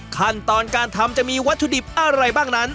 ขั้นตอนการทำจะมีวัตถุดิบอะไรบ้างนั้น